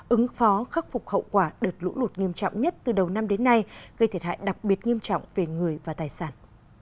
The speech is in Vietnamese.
ứng phó khắc phục hậu quả đợt lũ lụt nghiêm trọng nhất từ đầu năm đến nay gây thiệt hại đặc biệt nghiêm trọng về người và tài sản